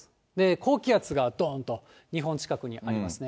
高気圧がどんと、日本近くにありますね。